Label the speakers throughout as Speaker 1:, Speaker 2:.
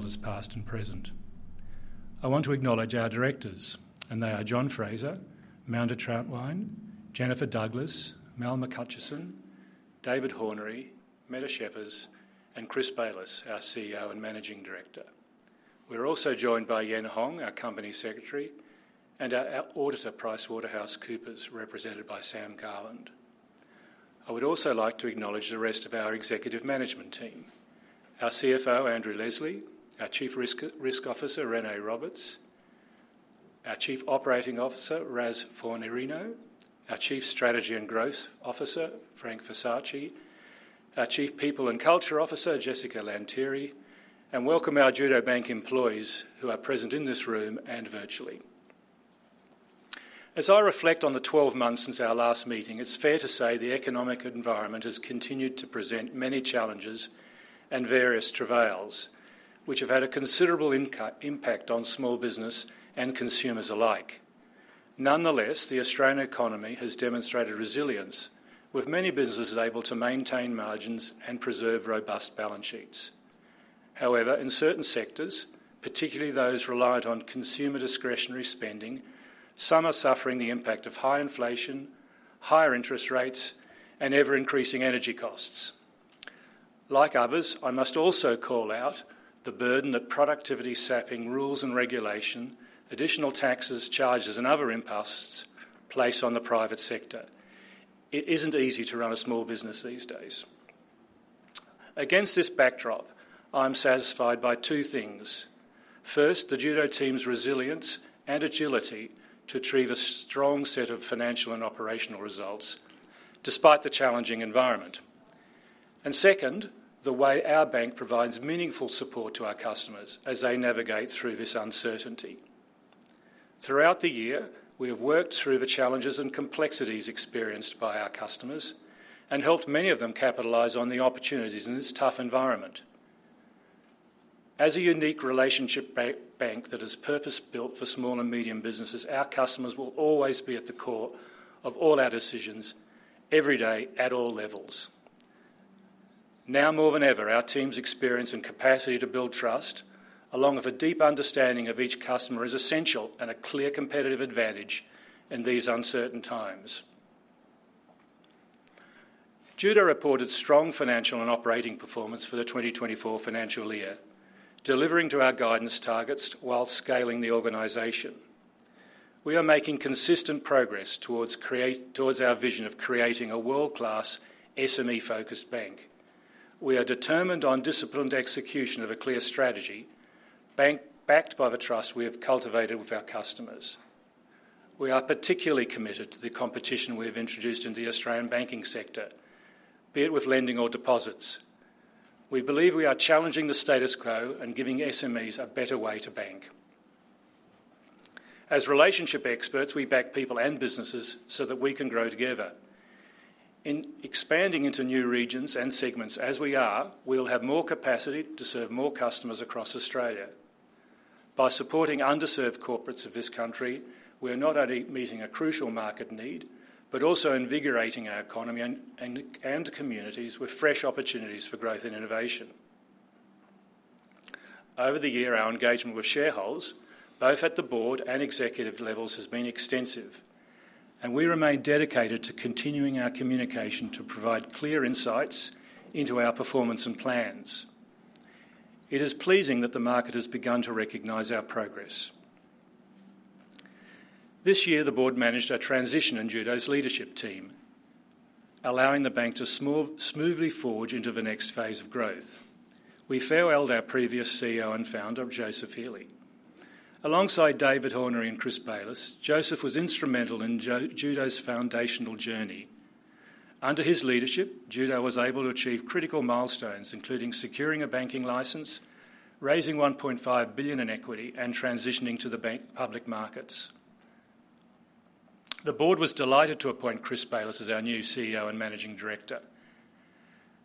Speaker 1: holders, past and present. I want to acknowledge our directors, and they are John Fraser, Manda Trautwein, Jennifer Douglas, Malcolm McHutchison, David Hornery, Mette Scheepers, and Chris Bayliss, our CEO and Managing Director. We're also joined by Yien Hong, our Company Secretary, and our auditor, PricewaterhouseCoopers, represented by Sam Garland. I would also like to acknowledge the rest of our executive management team: our CFO, Andrew Leslie, our Chief Risk Officer, Renee Roberts, our Chief Operating Officer, Ros Fornarino, our Chief Strategy and Growth Officer, Frank Versace, our Chief People and Culture Officer, Jessica Lantieri, and welcome our Judo Bank employees who are present in this room and virtually. As I reflect on the twelve months since our last meeting, it's fair to say the economic environment has continued to present many challenges and various travails, which have had a considerable impact on small business and consumers alike. Nonetheless, the Australian economy has demonstrated resilience, with many businesses able to maintain margins and preserve robust balance sheets. However, in certain sectors, particularly those reliant on consumer discretionary spending, some are suffering the impact of high inflation, higher interest rates, and ever-increasing energy costs. Like others, I must also call out the burden that productivity-sapping rules and regulation, additional taxes, charges, and other impasses place on the private sector. It isn't easy to run a small business these days. Against this backdrop, I'm satisfied by two things: first, the Judo team's resilience and agility to achieve a strong set of financial and operational results despite the challenging environment, and second, the way our bank provides meaningful support to our customers as they navigate through this uncertainty. Throughout the year, we have worked through the challenges and complexities experienced by our customers and helped many of them capitalize on the opportunities in this tough environment. As a unique relationship bank that is purpose-built for small and medium businesses, our customers will always be at the core of all our decisions, every day, at all levels. Now more than ever, our team's experience and capacity to build trust, along with a deep understanding of each customer, is essential and a clear competitive advantage in these uncertain times. Judo reported strong financial and operating performance for the 2024 financial year, delivering to our guidance targets while scaling the organization. We are making consistent progress towards our vision of creating a world-class SME-focused bank. We are determined on disciplined execution of a clear strategy backed by the trust we have cultivated with our customers. We are particularly committed to the competition we have introduced in the Australian banking sector, be it with lending or deposits. We believe we are challenging the status quo and giving SMEs a better way to bank. As relationship experts, we back people and businesses so that we can grow together. In expanding into new regions and segments, as we are, we'll have more capacity to serve more customers across Australia. By supporting underserved corporates of this country, we are not only meeting a crucial market need, but also invigorating our economy and communities with fresh opportunities for growth and innovation. Over the year, our engagement with shareholders, both at the board and executive levels, has been extensive, and we remain dedicated to continuing our communication to provide clear insights into our performance and plans. It is pleasing that the market has begun to recognize our progress. This year, the board managed a transition in Judo's leadership team, allowing the bank to smoothly forge into the next phase of growth. We farewelled our previous CEO and founder, Joseph Healy. Alongside David Hornery and Chris Bayliss, Joseph was instrumental in Judo's foundational journey. Under his leadership, Judo was able to achieve critical milestones, including securing a banking license, raising 1.5 billion in equity, and transitioning to the bank public markets. The board was delighted to appoint Chris Bayliss as our new CEO and Managing Director.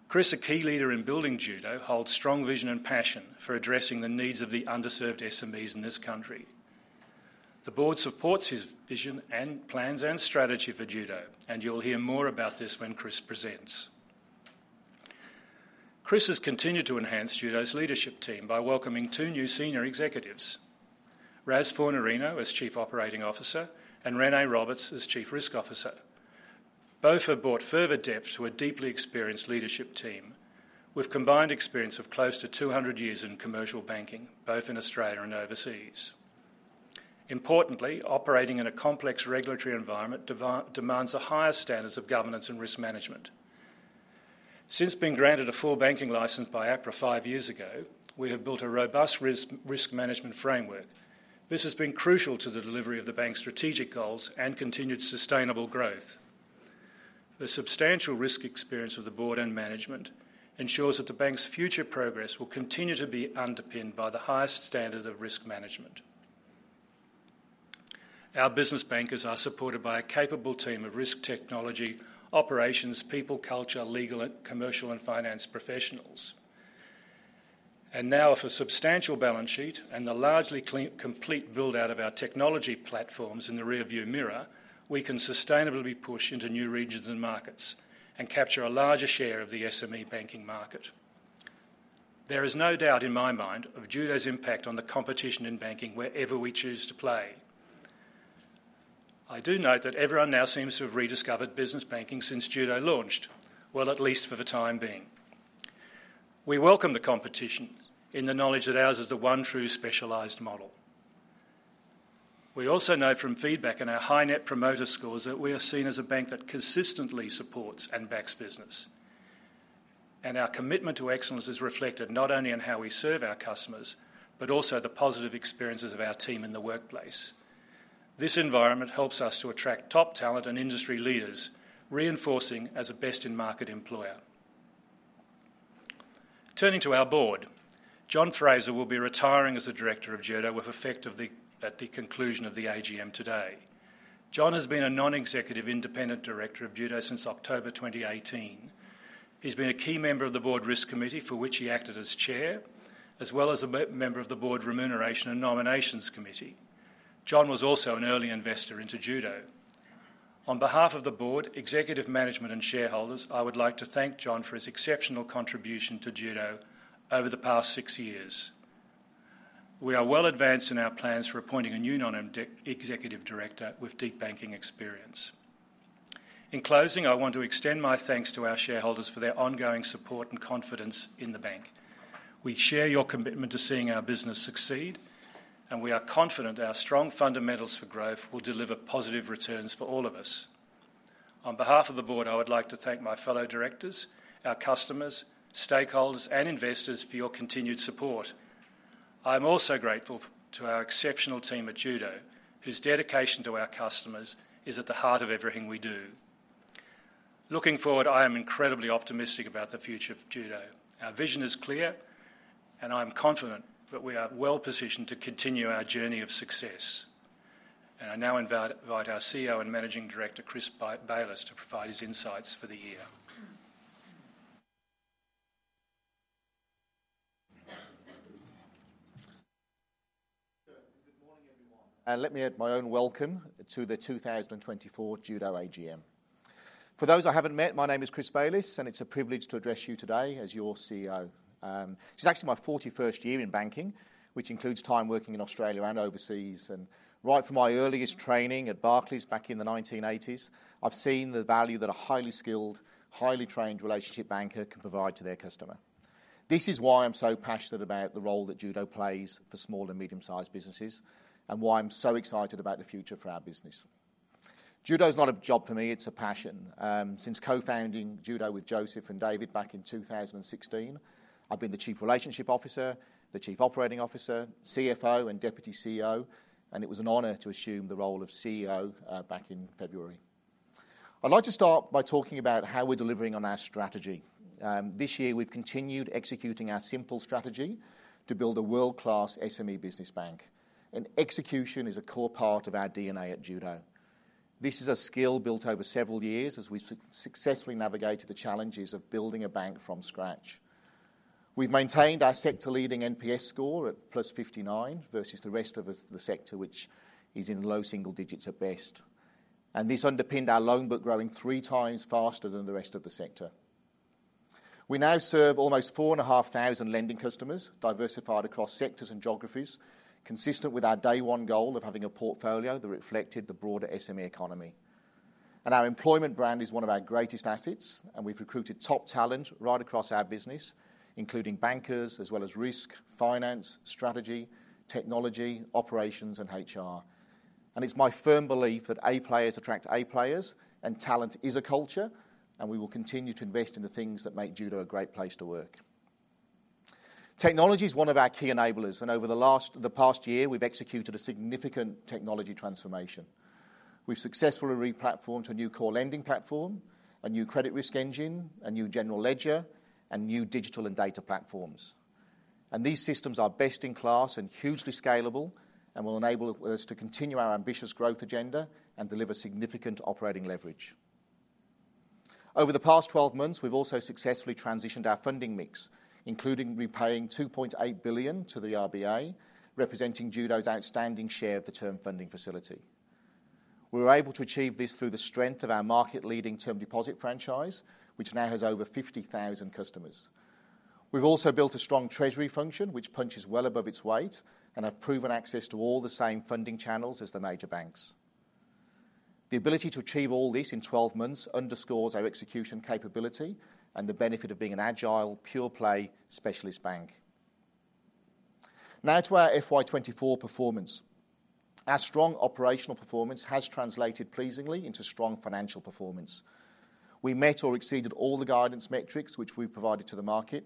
Speaker 1: Chris, a key leader in building Judo, holds strong vision and passion for addressing the needs of the underserved SMEs in this country. The board supports his vision and plans and strategy for Judo, and you'll hear more about this when Chris presents. Chris has continued to enhance Judo's leadership team by welcoming two new senior executives, Ros Fornarino as Chief Operating Officer and Renee Roberts as Chief Risk Officer. Both have brought further depth to a deeply experienced leadership team, with combined experience of close to 200 years in commercial banking, both in Australia and overseas. Importantly, operating in a complex regulatory environment demands the highest standards of governance and risk management. Since being granted a full banking license by APRA five years ago, we have built a robust risk management framework. This has been crucial to the delivery of the bank's strategic goals and continued sustainable growth. The substantial risk experience of the board and management ensures that the bank's future progress will continue to be underpinned by the highest standard of risk management. Our business bankers are supported by a capable team of risk, technology, operations, people, culture, legal, and commercial, and finance professionals. And now, with a substantial balance sheet and the largely clean, complete build-out of our technology platforms in the rearview mirror, we can sustainably push into new regions and markets and capture a larger share of the SME banking market. There is no doubt in my mind of Judo's impact on the competition in banking wherever we choose to play. I do note that everyone now seems to have rediscovered business banking since Judo launched, well, at least for the time being. We welcome the competition in the knowledge that ours is the one true specialized model. We also know from feedback and our high Net Promoter Scores that we are seen as a bank that consistently supports and backs business, and our commitment to excellence is reflected not only in how we serve our customers, but also the positive experiences of our team in the workplace. This environment helps us to attract top talent and industry leaders, reinforcing as a best-in-market employer. Turning to our board, John Fraser will be retiring as a director of Judo with effect at the conclusion of the AGM today. John has been a non-executive independent director of Judo since October twenty eighteen. He's been a key member of the Board Risk Committee, for which he acted as chair, as well as a member of the Board Remuneration and Nominations Committee. John was also an early investor into Judo. On behalf of the board, executive management, and shareholders, I would like to thank John for his exceptional contribution to Judo over the past six years. We are well advanced in our plans for appointing a new non-executive director with deep banking experience. In closing, I want to extend my thanks to our shareholders for their ongoing support and confidence in the bank. We share your commitment to seeing our business succeed, and we are confident our strong fundamentals for growth will deliver positive returns for all of us. On behalf of the board, I would like to thank my fellow directors, our customers, stakeholders, and investors for your continued support. I'm also grateful to our exceptional team at Judo, whose dedication to our customers is at the heart of everything we do. Looking forward, I am incredibly optimistic about the future of Judo. Our vision is clear, and I'm confident that we are well-positioned to continue our journey of success. I now invite our CEO and Managing Director, Chris Bayliss, to provide his insights for the year.
Speaker 2: Good morning, everyone, and let me add my own welcome to the 2024 Judo AGM. For those I haven't met, my name is Chris Bayliss, and it's a privilege to address you today as your CEO. This is actually my forty-first year in banking, which includes time working in Australia and overseas, and right from my earliest training at Barclays back in the 1980s, I've seen the value that a highly skilled, highly trained relationship banker can provide to their customer. This is why I'm so passionate about the role that Judo plays for small and medium-sized businesses, and why I'm so excited about the future for our business. Judo is not a job for me, it's a passion. Since co-founding Judo with Joseph and David back in two thousand and sixteen, I've been the Chief Relationship Officer, the Chief Operating Officer, CFO, and Deputy CEO, and it was an honor to assume the role of CEO back in February. I'd like to start by talking about how we're delivering on our strategy. This year, we've continued executing our simple strategy to build a world-class SME business bank, and execution is a core part of our DNA at Judo. This is a skill built over several years as we successfully navigated the challenges of building a bank from scratch. We've maintained our sector-leading NPS score at plus 59 versus the rest of the sector, which is in low single digits at best, and this underpinned our loan book growing three times faster than the rest of the sector. We now serve almost four and a half thousand lending customers, diversified across sectors and geographies, consistent with our day one goal of having a portfolio that reflected the broader SME economy. And our employment brand is one of our greatest assets, and we've recruited top talent right across our business, including bankers, as well as risk, finance, strategy, technology, operations, and HR. And it's my firm belief that A players attract A players, and talent is a culture, and we will continue to invest in the things that make Judo a great place to work. Technology is one of our key enablers, and over the past year, we've executed a significant technology transformation. We've successfully re-platformed a new core lending platform, a new credit risk engine, a new general ledger, and new digital and data platforms. And these systems are best in class and hugely scalable and will enable us to continue our ambitious growth agenda and deliver significant operating leverage. Over the past 12 months, we've also successfully transitioned our funding mix, including repaying 2.8 billion to the RBA, representing Judo's outstanding share of the Term Funding Facility. We were able to achieve this through the strength of our market-leading term deposit franchise, which now has over 50,000 customers. We've also built a strong treasury function, which punches well above its weight, and have proven access to all the same funding channels as the major banks. The ability to achieve all this in 12 months underscores our execution capability and the benefit of being an agile, pure-play specialist bank. Now, to our FY 2024 performance. Our strong operational performance has translated pleasingly into strong financial performance. We met or exceeded all the guidance metrics which we provided to the market.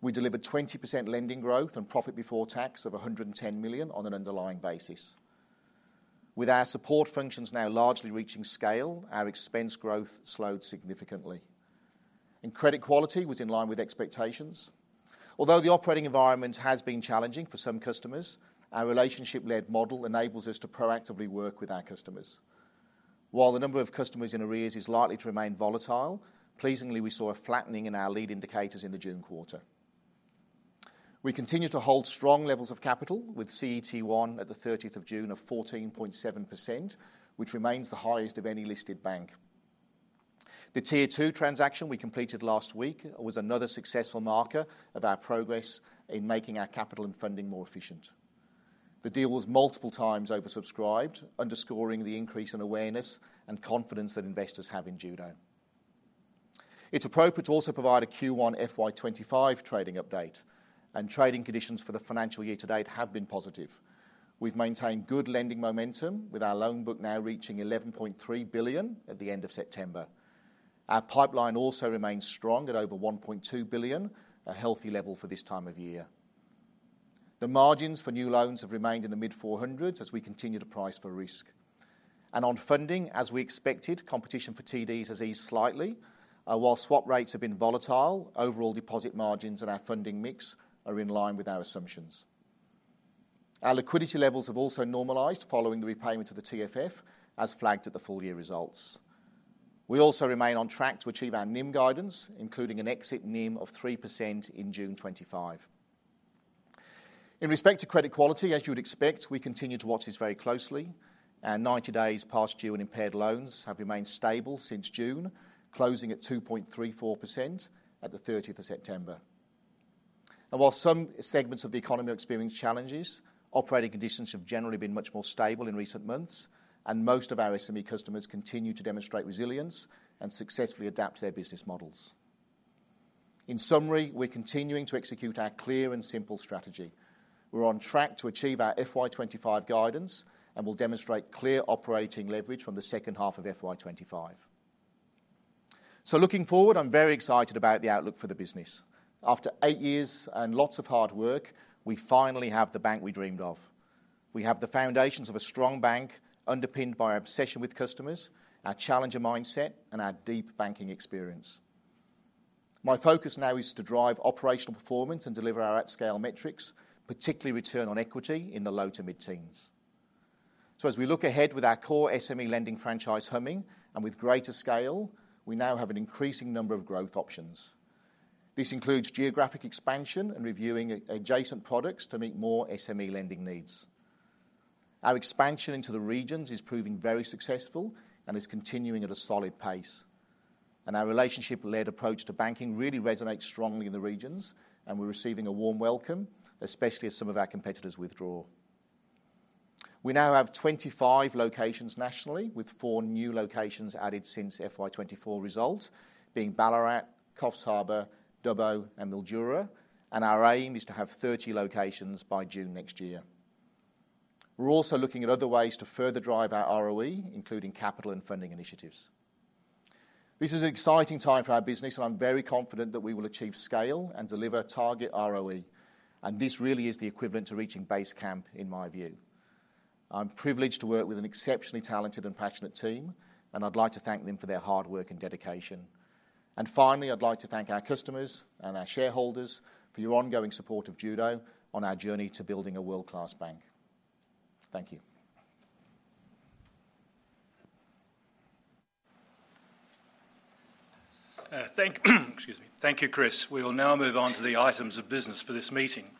Speaker 2: We delivered 20% lending growth and profit before tax of 110 million on an underlying basis. With our support functions now largely reaching scale, our expense growth slowed significantly, and credit quality was in line with expectations. Although the operating environment has been challenging for some customers, our relationship-led model enables us to proactively work with our customers. While the number of customers in arrears is likely to remain volatile, pleasingly, we saw a flattening in our lead indicators in the June quarter. We continue to hold strong levels of capital with CET1 at the 30th of June of 14.7%, which remains the highest of any listed bank. The Tier 2 transaction we completed last week was another successful marker of our progress in making our capital and funding more efficient. The deal was multiple times oversubscribed, underscoring the increase in awareness and confidence that investors have in Judo. It's appropriate to also provide a Q1 FY 2025 trading update, and trading conditions for the financial year to date have been positive. We've maintained good lending momentum, with our loan book now reaching 11.3 billion at the end of September. Our pipeline also remains strong at over 1.2 billion, a healthy level for this time of year. The margins for new loans have remained in the mid-four hundreds as we continue to price for risk, and on funding, as we expected, competition for TDs has eased slightly. While swap rates have been volatile, overall deposit margins and our funding mix are in line with our assumptions. Our liquidity levels have also normalized following the repayment to the TFF, as flagged at the full year results. We also remain on track to achieve our NIM guidance, including an exit NIM of 3% in June 2025. In respect to credit quality, as you would expect, we continue to watch this very closely, and ninety days past due and impaired loans have remained stable since June, closing at 2.34% at the thirtieth of September, and while some segments of the economy are experiencing challenges, operating conditions have generally been much more stable in recent months, and most of our SME customers continue to demonstrate resilience and successfully adapt to their business models. In summary, we're continuing to execute our clear and simple strategy. We're on track to achieve our FY 2025 guidance and will demonstrate clear operating leverage from the second half of FY 2025, so looking forward, I'm very excited about the outlook for the business. After eight years and lots of hard work, we finally have the bank we dreamed of. We have the foundations of a strong bank, underpinned by our obsession with customers, our challenger mindset, and our deep banking experience. My focus now is to drive operational performance and deliver our at-scale metrics, particularly return on equity, in the low to mid-teens, so as we look ahead with our core SME lending franchise humming and with greater scale, we now have an increasing number of growth options. This includes geographic expansion and reviewing adjacent products to meet more SME lending needs. Our expansion into the regions is proving very successful and is continuing at a solid pace. And our relationship-led approach to banking really resonates strongly in the regions, and we're receiving a warm welcome, especially as some of our competitors withdraw. We now have 25 locations nationally, with four new locations added since FY 24 results, being Ballarat, Coffs Harbour, Dubbo and Mildura, and our aim is to have 30 locations by June next year. We're also looking at other ways to further drive our ROE, including capital and funding initiatives. This is an exciting time for our business, and I'm very confident that we will achieve scale and deliver target ROE, and this really is the equivalent to reaching base camp, in my view. I'm privileged to work with an exceptionally talented and passionate team, and I'd like to thank them for their hard work and dedication. Finally, I'd like to thank our customers and our shareholders for your ongoing support of Judo on our journey to building a world-class bank. Thank you.
Speaker 1: Excuse me. Thank you, Chris. We will now move on to the items of business for this meeting.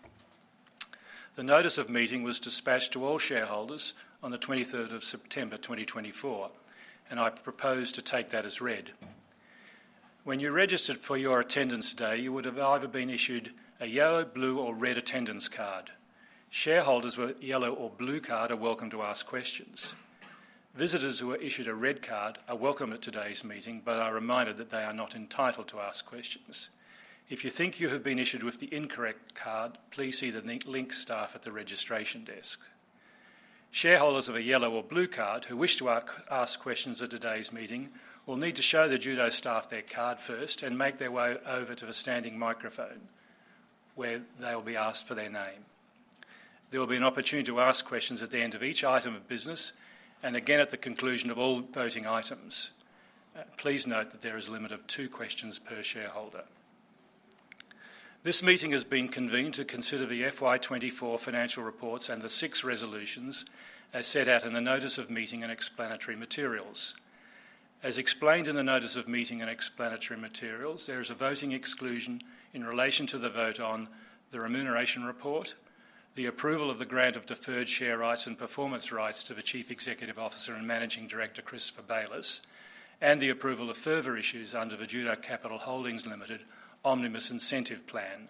Speaker 1: The notice of meeting was dispatched to all shareholders on the twenty-third of September, twenty twenty-four, and I propose to take that as read. When you registered for your attendance today, you would have either been issued a yellow, blue or red attendance card. Shareholders with a yellow or blue card are welcome to ask questions. Visitors who were issued a red card are welcome at today's meeting, but are reminded that they are not entitled to ask questions. If you think you have been issued with the incorrect card, please see the Link staff at the registration desk. Shareholders of a yellow or blue card who wish to ask questions at today's meeting will need to show the Judo staff their card first and make their way over to the standing microphone, where they will be asked for their name. There will be an opportunity to ask questions at the end of each item of business and again at the conclusion of all voting items. Please note that there is a limit of two questions per shareholder. This meeting has been convened to consider the FY twenty-four financial reports and the six resolutions, as set out in the notice of meeting and explanatory materials. As explained in the notice of meeting and explanatory materials, there is a voting exclusion in relation to the vote on the Remuneration Report, the approval of the grant of deferred share rights and performance rights to the Chief Executive Officer and Managing Director, Christopher Bayliss, and the approval of further issues under the Judo Capital Holdings Limited Omnibus Incentive Plan.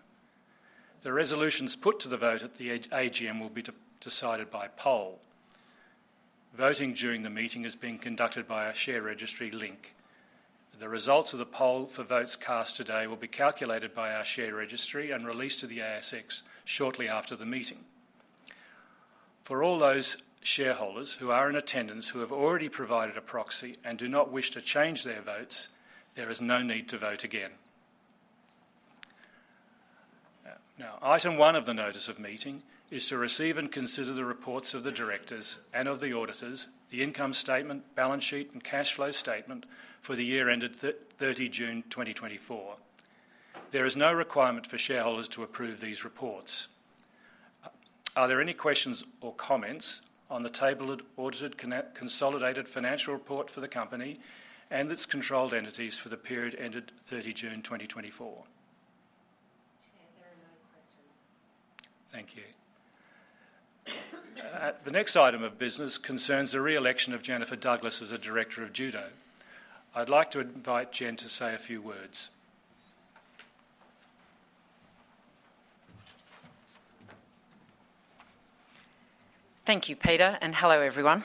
Speaker 1: The resolutions put to the vote at the AGM will be decided by poll. Voting during the meeting is being conducted by our share registry, Link. The results of the poll for votes cast today will be calculated by our share registry and released to the ASX shortly after the meeting. For all those shareholders who are in attendance, who have already provided a proxy and do not wish to change their votes, there is no need to vote again. Now, item one of the notice of meeting is to receive and consider the reports of the directors and of the auditors, the income statement, balance sheet and cash flow statement for the year ended thirty June 2024. There is no requirement for shareholders to approve these reports. Are there any questions or comments on the tabled audited consolidated financial report for the company and its controlled entities for the period ended thirty June 2024? Thank you. The next item of business concerns the re-election of Jennifer Douglas as a director of Judo. I'd like to invite Jen to say a few words.
Speaker 3: Thank you, Peter, and hello, everyone.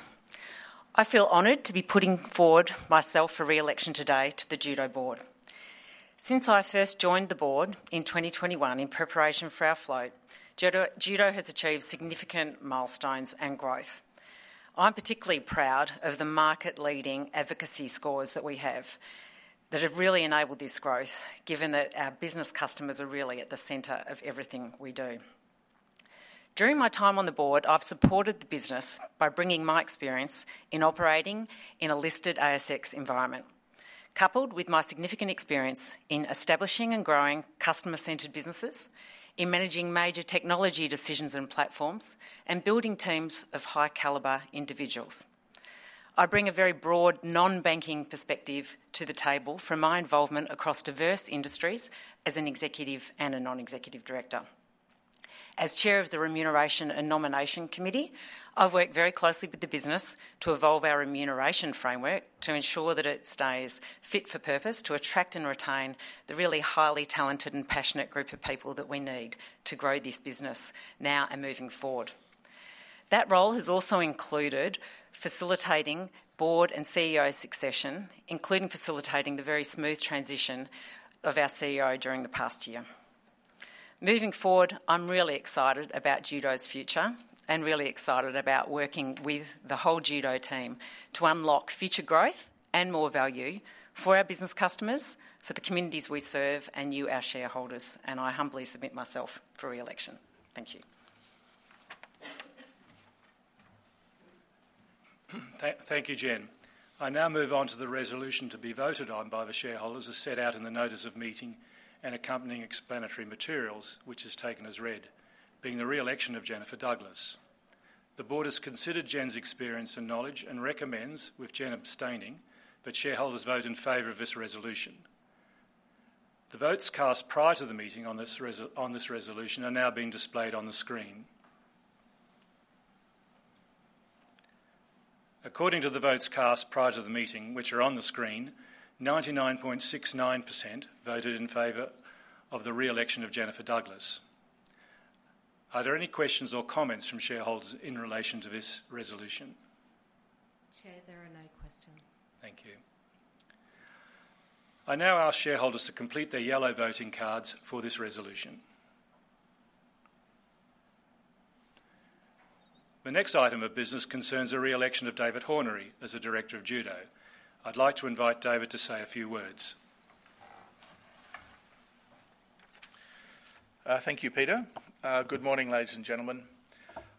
Speaker 3: I feel honored to be putting forward myself for re-election today to the Judo board. Since I first joined the board in 2021 in preparation for our float, Judo has achieved significant milestones and growth. I'm particularly proud of the market-leading advocacy scores that we have, that have really enabled this growth, given that our business customers are really at the center of everything we do. During my time on the board, I've supported the business by bringing my experience in operating in a listed ASX environment, coupled with my significant experience in establishing and growing customer-centered businesses, in managing major technology decisions and platforms, and building teams of high-caliber individuals. I bring a very broad, non-banking perspective to the table from my involvement across diverse industries as an executive and a non-executive director. As Chair of the Remuneration and Nomination Committee, I've worked very closely with the business to evolve our remuneration framework to ensure that it stays fit for purpose, to attract and retain the really highly talented and passionate group of people that we need to grow this business now and moving forward. That role has also included facilitating board and CEO succession, including facilitating the very smooth transition of our CEO during the past year. Moving forward, I'm really excited about Judo's future and really excited about working with the whole Judo team to unlock future growth and more value for our business customers, for the communities we serve, and you, our shareholders, and I humbly submit myself for re-election. Thank you.
Speaker 1: Thank you, Jen. I now move on to the resolution to be voted on by the shareholders, as set out in the notice of meeting and accompanying explanatory materials, which is taken as read, being the re-election of Jennifer Douglas. The board has considered Jen's experience and knowledge and recommends, with Jen abstaining, that shareholders vote in favor of this resolution. The votes cast prior to the meeting on this resolution are now being displayed on the screen. According to the votes cast prior to the meeting, which are on the screen, 99.69% voted in favor of the re-election of Jennifer Douglas. Are there any questions or comments from shareholders in relation to this resolution?
Speaker 4: Chair, there are no questions.
Speaker 1: Thank you. I now ask shareholders to complete their yellow voting cards for this resolution. The next item of business concerns the re-election of David Hornery as a director of Judo. I'd like to invite David to say a few words.
Speaker 5: Thank you, Peter. Good morning, ladies and gentlemen.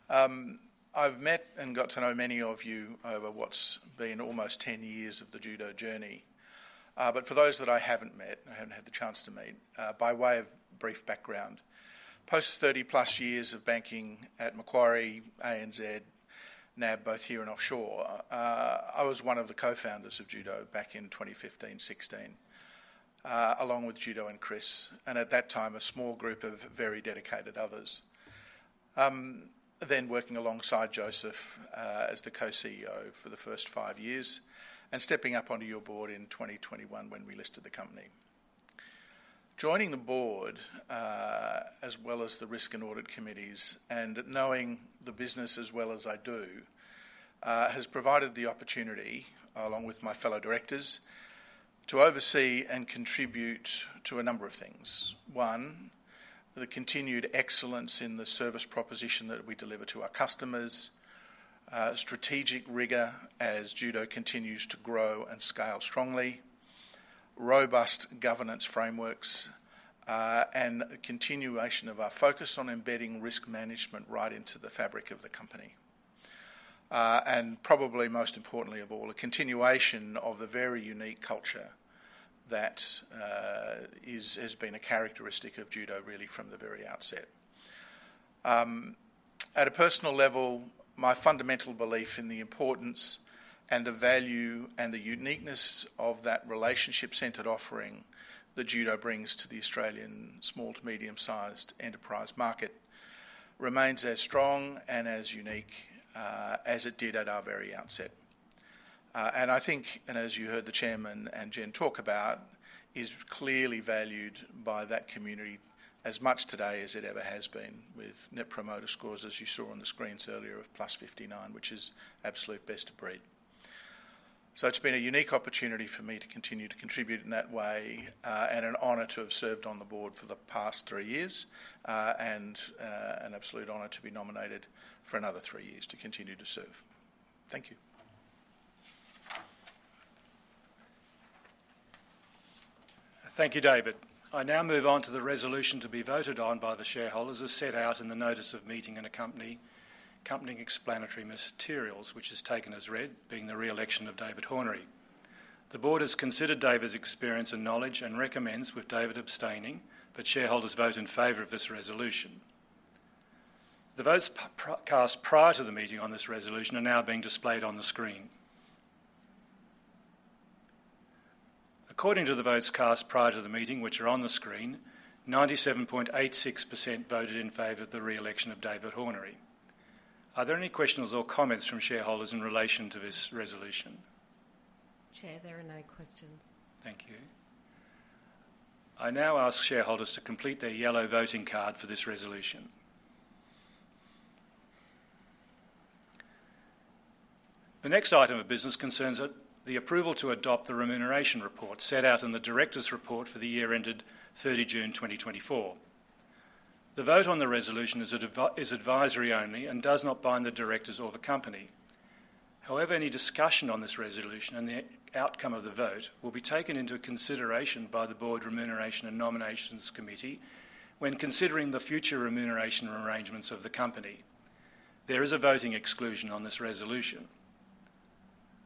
Speaker 5: I've met and got to know many of you over what's been almost ten years of the Judo journey, but for those that I haven't met, I haven't had the chance to meet, by way of brief background, post thirty-plus years of banking at Macquarie, ANZ, NAB, both here and offshore, I was one of the co-founders of Judo back in twenty fifteen, sixteen, along with Joseph and Chris, and at that time, a small group of very dedicated others, then working alongside Joseph, as the co-CEO for the first five years, and stepping up onto your board in twenty twenty-one when we listed the company. Joining the board, as well as the risk and audit committees, and knowing the business as well as I do, has provided the opportunity, along with my fellow directors, to oversee and contribute to a number of things. One, the continued excellence in the service proposition that we deliver to our customers, strategic rigor as Judo continues to grow and scale strongly, robust governance frameworks, and a continuation of our focus on embedding risk management right into the fabric of the company. And probably most importantly of all, a continuation of the very unique culture that is, has been a characteristic of Judo, really, from the very outset. At a personal level, my fundamental belief in the importance and the value and the uniqueness of that relationship-centered offering that Judo brings to the Australian small to medium-sized enterprise market remains as strong and as unique as it did at our very outset. And I think, and as you heard the chairman and Jen talk about, is clearly valued by that community as much today as it ever has been, with net promoter scores, as you saw on the screens earlier, of plus 59, which is absolute best of breed. So it's been a unique opportunity for me to continue to contribute in that way, and an honor to have served on the board for the past three years, and an absolute honor to be nominated for another three years to continue to serve. Thank you.
Speaker 1: Thank you, David. I now move on to the resolution to be voted on by the shareholders, as set out in the notice of meeting and accompanying explanatory materials, which is taken as read, being the re-election of David Hornery. The board has considered David's experience and knowledge and recommends, with David abstaining, that shareholders vote in favor of this resolution. The votes cast prior to the meeting on this resolution are now being displayed on the screen. According to the votes cast prior to the meeting, which are on the screen, 97.86% voted in favor of the re-election of David Hornery. Are there any questions or comments from shareholders in relation to this resolution?
Speaker 4: Chair, there are no questions.
Speaker 1: Thank you. I now ask shareholders to complete their yellow voting card for this resolution. The next item of business concerns the approval to adopt the remuneration report set out in the directors' report for the year ended 30 June 2024. The vote on the resolution is advisory only and does not bind the directors or the company. However, any discussion on this resolution and the outcome of the vote will be taken into consideration by the Board Remuneration and Nominations Committee when considering the future remuneration arrangements of the company. There is a voting exclusion on this resolution.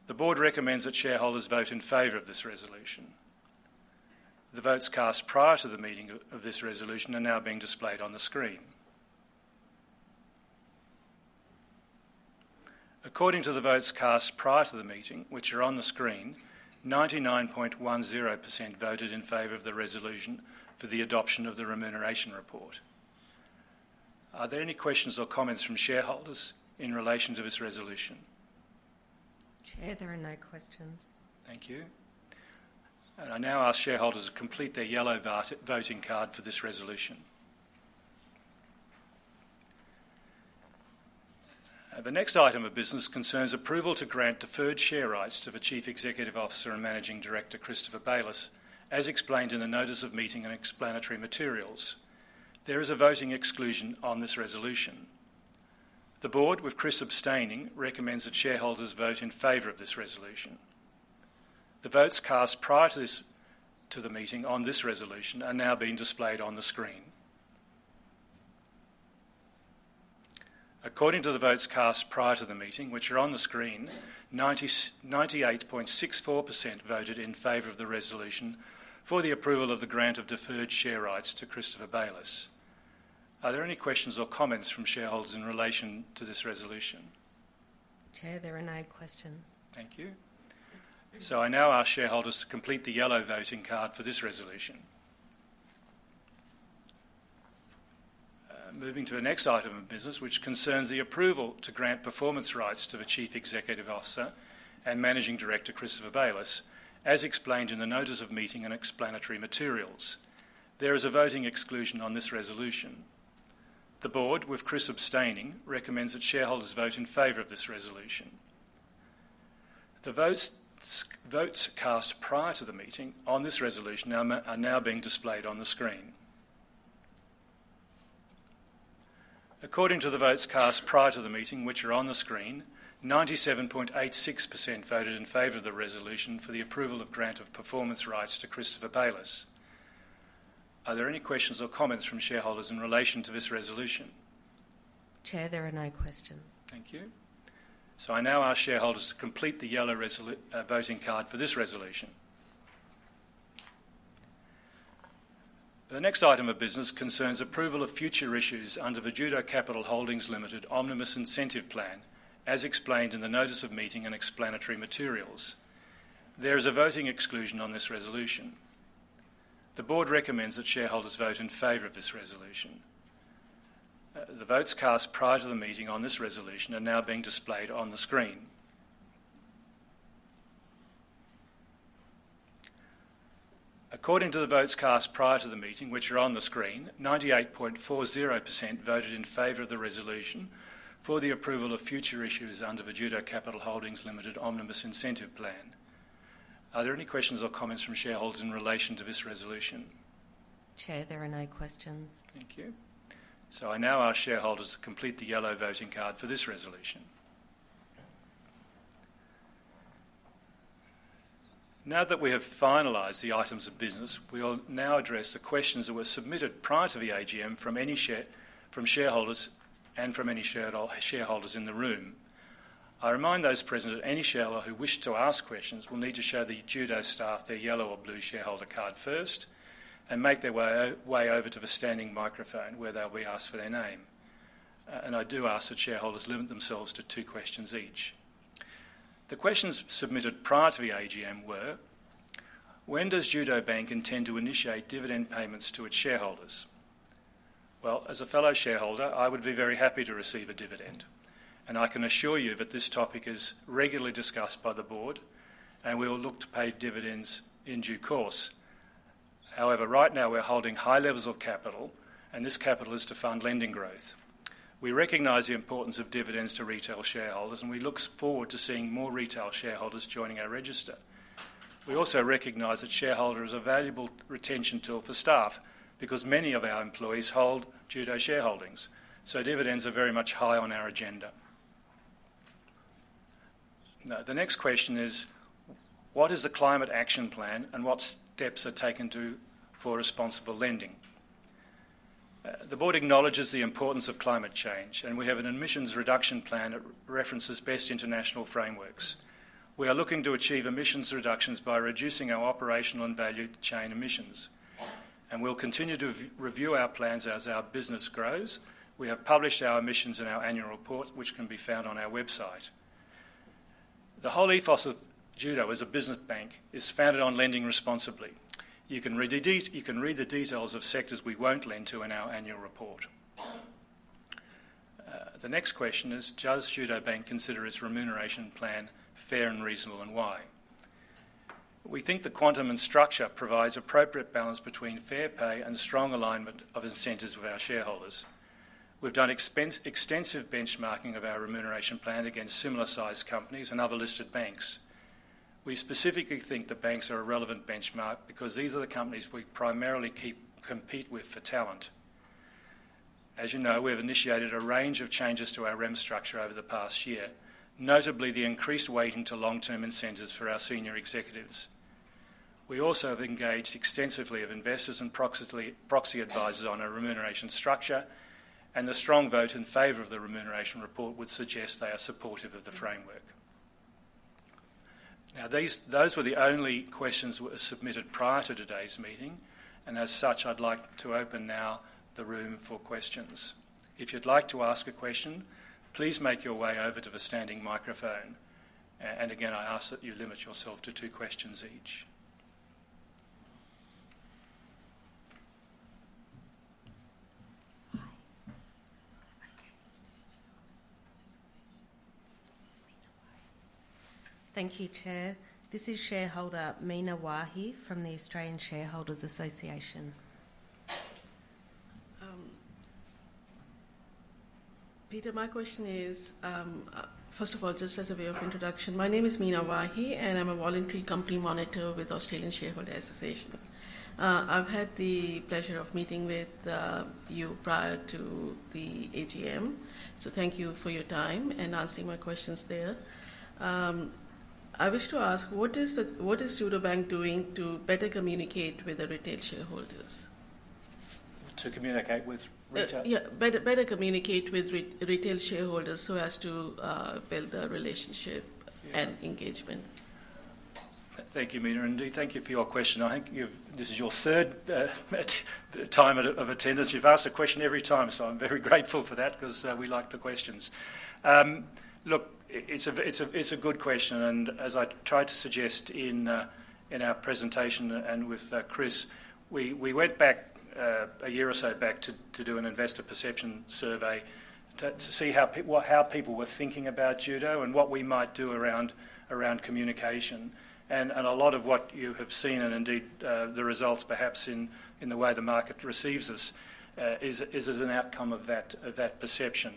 Speaker 1: The board recommends that shareholders vote in favor of this resolution. The votes cast prior to the meeting of this resolution are now being displayed on the screen. According to the votes cast prior to the meeting, which are on the screen, 99.10% voted in favor of the resolution for the adoption of the remuneration report. Are there any questions or comments from shareholders in relation to this resolution?
Speaker 4: Chair, there are no questions.
Speaker 1: Thank you. I now ask shareholders to complete their yellow voting card for this resolution. The next item of business concerns approval to grant deferred share rights to the Chief Executive Officer and Managing Director, Chris Bayliss, as explained in the notice of meeting and explanatory materials. There is a voting exclusion on this resolution. The board, with Chris abstaining, recommends that shareholders vote in favor of this resolution. The votes cast prior to the meeting on this resolution are now being displayed on the screen. According to the votes cast prior to the meeting, which are on the screen, 98.64% voted in favor of the resolution for the approval of the grant of deferred share rights to Chris Bayliss. Are there any questions or comments from shareholders in relation to this resolution?
Speaker 4: Chair, there are no questions.
Speaker 1: Thank you. So I now ask shareholders to complete the yellow voting card for this resolution. Moving to the next item of business, which concerns the approval to grant performance rights to the Chief Executive Officer and Managing Director, Christopher Bayliss, as explained in the notice of meeting and explanatory materials. There is a voting exclusion on this resolution. The board, with Chris abstaining, recommends that shareholders vote in favor of this resolution. The votes cast prior to the meeting on this resolution are now being displayed on the screen. According to the votes cast prior to the meeting, which are on the screen, 97.86% voted in favor of the resolution for the approval of grant of performance rights to Christopher Bayliss. Are there any questions or comments from shareholders in relation to this resolution?
Speaker 4: Chair, there are no questions.
Speaker 1: Thank you. So I now ask shareholders to complete the yellow voting card for this resolution. The next item of business concerns approval of future issues under the Judo Capital Holdings Limited Omnibus Incentive Plan, as explained in the notice of meeting and explanatory materials. There is a voting exclusion on this resolution. The board recommends that shareholders vote in favor of this resolution. The votes cast prior to the meeting on this resolution are now being displayed on the screen. According to the votes cast prior to the meeting, which are on the screen, 98.40% voted in favor of the resolution for the approval of future issues under the Judo Capital Holdings Limited Omnibus Incentive Plan. Are there any questions or comments from shareholders in relation to this resolution?
Speaker 4: Chair, there are no questions.
Speaker 1: Thank you. So I now ask shareholders to complete the yellow voting card for this resolution. Now that we have finalized the items of business, we will now address the questions that were submitted prior to the AGM from any from shareholders and from any shareholders in the room. I remind those present that any shareholder who wish to ask questions will need to show the Judo staff their yellow or blue shareholder card first, and make their way way over to the standing microphone, where they'll be asked for their name. And I do ask that shareholders limit themselves to two questions each. The questions submitted prior to the AGM were: When does Judo Bank intend to initiate dividend payments to its shareholders? As a fellow shareholder, I would be very happy to receive a dividend, and I can assure you that this topic is regularly discussed by the board, and we will look to pay dividends in due course. However, right now, we're holding high levels of capital, and this capital is to fund lending growth. We recognize the importance of dividends to retail shareholders, and we look forward to seeing more retail shareholders joining our register. We also recognize that shareholding is a valuable retention tool for staff, because many of our employees hold Judo shareholdings, so dividends are very much high on our agenda. Now, the next question is: What is the climate action plan, and what steps are taken to, for responsible lending? The board acknowledges the importance of climate change, and we have an emissions reduction plan that references best international frameworks. We are looking to achieve emissions reductions by reducing our operational and value chain emissions... and we'll continue to review our plans as our business grows. We have published our emissions in our annual report, which can be found on our website. The whole ethos of Judo as a business bank is founded on lending responsibly. You can read the details of sectors we won't lend to in our annual report. The next question is: Does Judo Bank consider its remuneration plan fair and reasonable, and why? We think the quantum and structure provides appropriate balance between fair pay and strong alignment of incentives with our shareholders. We've done extensive benchmarking of our remuneration plan against similar-sized companies and other listed banks. We specifically think the banks are a relevant benchmark because these are the companies we primarily keep... compete with for talent. As you know, we have initiated a range of changes to our rem structure over the past year, notably the increased weighting to long-term incentives for our senior executives. We also have engaged extensively of investors and proxy advisors on our remuneration structure, and the strong vote in favor of the Remuneration Report would suggest they are supportive of the framework. Now, those were the only questions submitted prior to today's meeting, and as such, I'd like to open now the room for questions. If you'd like to ask a question, please make your way over to the standing microphone. And again, I ask that you limit yourself to two questions each.
Speaker 4: Hi. Thank you, Chair. This is shareholder Meena Wahi from the Australian Shareholders Association.
Speaker 6: Peter, my question is, first of all, just as a way of introduction, my name is Meena Wahi, and I'm a voluntary company monitor with Australian Shareholders Association. I've had the pleasure of meeting with you prior to the AGM, so thank you for your time and answering my questions there. I wish to ask, what is Judo Bank doing to better communicate with the retail shareholders?
Speaker 1: To communicate with retail?
Speaker 6: Yeah, better communicate with retail shareholders so as to build a relationship.
Speaker 1: Yeah...
Speaker 6: and engagement.
Speaker 1: Thank you, Meena, and thank you for your question. I think you've... This is your third time of attendance. You've asked a question every time, so I'm very grateful for that 'cause we like the questions. Look, it's a good question, and as I tried to suggest in our presentation and with Chris, we went back a year or so back to do an investor perception survey to see what, how people were thinking about Judo and what we might do around communication. And a lot of what you have seen, and indeed, the results perhaps in the way the market receives us, is as an outcome of that perception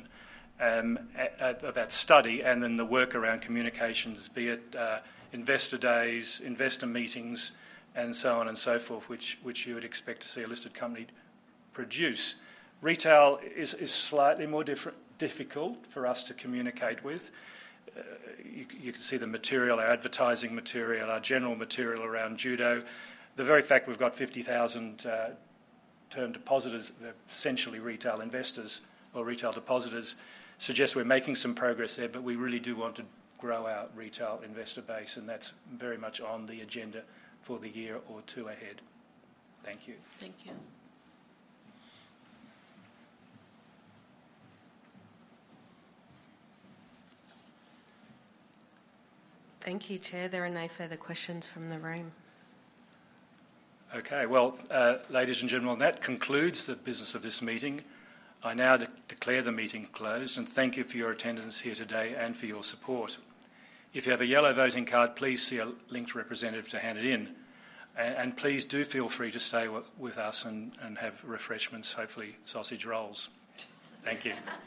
Speaker 1: of that study, and then the work around communications, be it investor days, investor meetings, and so on and so forth, which you would expect to see a listed company produce. Retail is slightly more difficult for us to communicate with. You can see the material, our advertising material, our general material around Judo. The very fact we've got fifty thousand term depositors that are essentially retail investors or retail depositors suggests we're making some progress there, but we really do want to grow our retail investor base, and that's very much on the agenda for the year or two ahead. Thank you.
Speaker 6: Thank you.
Speaker 4: Thank you, Chair. There are no further questions from the room.
Speaker 1: Okay, well, ladies and gentlemen, that concludes the business of this meeting. I now declare the meeting closed, and thank you for your attendance here today and for your support. If you have a yellow voting card, please see a Link representative to hand it in, and please do feel free to stay with us and have refreshments, hopefully sausage rolls. Thank you.